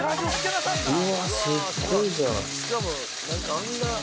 うわすっごいじゃん。